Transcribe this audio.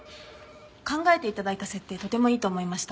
考えて頂いた設定とてもいいと思いました。